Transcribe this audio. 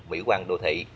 mỹ quang đô thị